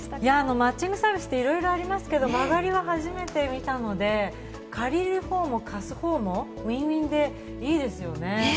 マッチングサービスって、いろいろありますけど間借りは初めて見たので、借りるほうも貸すほうもウィンウィンでいいですね。